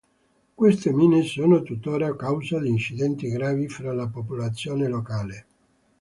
Queste mine sono tuttora causa di incidenti gravi fra la popolazione locale.